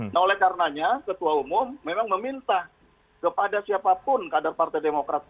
nah oleh karenanya ketua umum memang meminta kepada siapapun kader partai demokrat